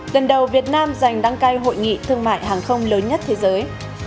lần đầu việt nam giành đăng cai hội nghị thương mại hàng không lớn nhất thế giới